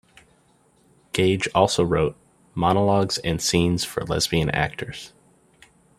Gage also wrote "Monologues and Scenes for Lesbian Actors".